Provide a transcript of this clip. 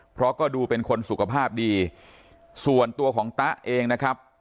เพราะก็ดูเป็นคนสุขภาพดีส่วนตัวของตะเองนะครับ